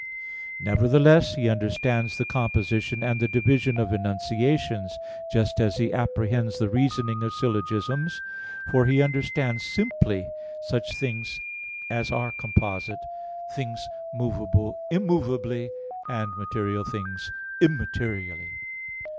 Nevertheless, he understands the composition and the division of enunciations, just as he apprehends the reasoning of syllogisms: for he understands simply, such things as are composite, things movable immovably, and material things immaterially.